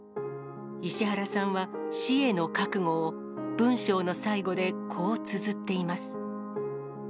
石原さんは、死への覚悟を文章の最後でこうつづっています。